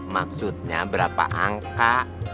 maksudnya berapa angka